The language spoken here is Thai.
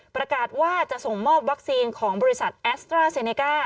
ประกาศว่าจะส่งมอบวัคซีนของบริษัทแอสตราเซเนก้า